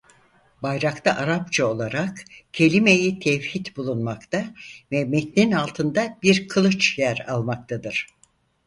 Bayrakta Arapça olarak kelime-i tevhid bulunmakta ve metnin altında bir kılıç yer almaktadır.